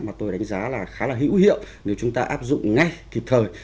mà tôi đánh giá là khá là hữu hiệu nếu chúng ta áp dụng ngay kịp thời